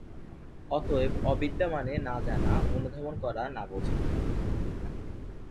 অতএব, অবিদ্যা মানে "না জানা, অনুধাবন করা, না বোঝা"।